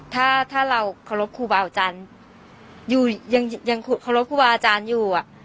ถ้าเราโครบครูบาอาจารย์อยู่ยังโครบครูบาอาจารย์อยู่